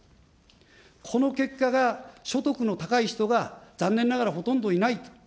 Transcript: この結果が、所得の高い人が残念ながらほとんどいないと。